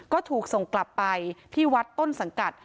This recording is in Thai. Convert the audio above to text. ก็ถูกส่งกลับไปที่วัดต้นสังกัด